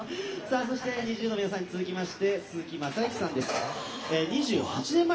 そしてＮｉｚｉＵの皆さんに続いて鈴木雅之さんです。